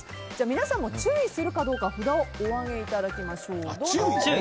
皆さんも注意するかどうか札をお上げいただきましょう。